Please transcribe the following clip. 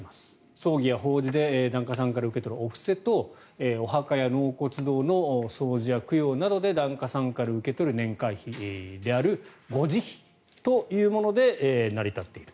葬儀や法事で檀家さんから受け取るお布施とお墓や納骨堂の掃除や供養などで檀家さんから受け取る年会費である護持費というもので成り立っている。